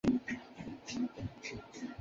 珀尔齐希是德国图林根州的一个市镇。